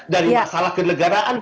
dari masalah kelegaraan